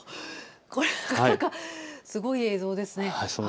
これはなかなかすごい映像ですね。